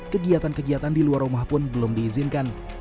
kegiatan kegiatan di luar rumah pun belum diizinkan